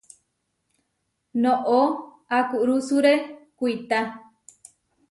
Noʼó akurusuré kuitá.